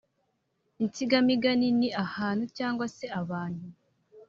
Insigamigani ni ahantu cyangwa se abantu